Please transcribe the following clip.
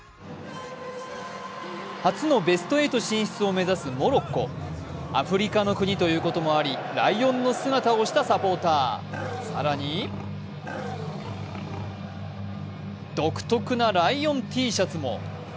初のベスト８進出を目指すモロッコアフリカの国ということもありライオンの姿をしたサポーター、更に独特なライオンＴシャツも。